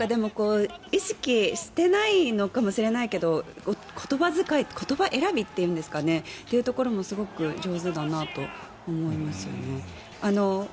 意識していないのかもしれないけど言葉遣い、言葉選びというところもすごく上手だなと思いますよね。